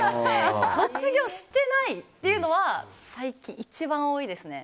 卒業してない！っていうのは最近、一番多いですね。